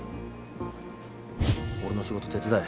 俺の仕事手伝え。